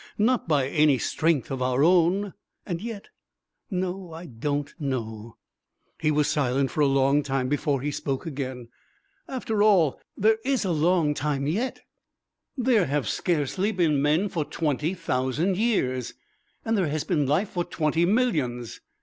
Not by any strength of our own.... "And yet ... No. I don't know." He was silent for a long time before he spoke again. "After all there is a long time yet. There have scarcely been men for twenty thousand years and there has been life for twenty millions.